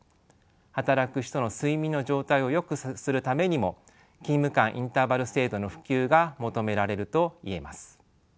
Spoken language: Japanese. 働く人の睡眠の状態をよくするためにも勤務間インターバル制度の普及が求められると言えます。